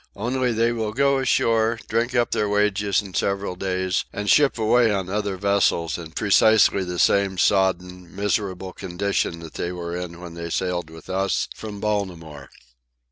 Only they will go ashore, drink up their wages in several days, and ship away on other vessels in precisely the same sodden, miserable condition that they were in when they sailed with us from Baltimore."